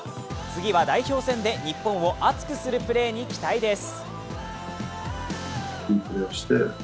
次は代表戦で日本を熱くするプレーに期待です。